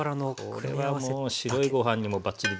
これはもう白いご飯にもバッチリでしょ。